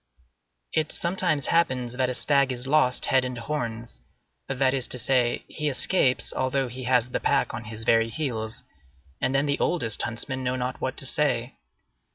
It sometimes happens that a stag is lost head and horns; that is to say, he escapes although he has the pack on his very heels, and then the oldest huntsmen know not what to say.